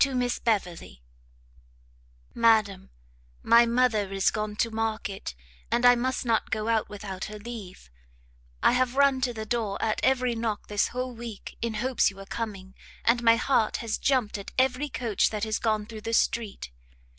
To Miss Beverley. Madam, My mother is gone to market, and I must not go out without her leave; I have run to the door at every knock this whole week in hopes you were coming, and my heart has jumpt at every coach that has gone through the street.